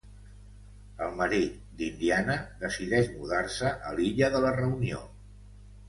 El marit d'Indiana decideix mudar-se a l'Illa de la Reunió.